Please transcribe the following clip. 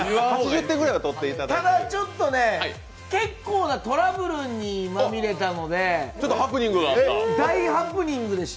ただ、ちょっとね、結構なトラブルにまみれたので大ハプニングでした。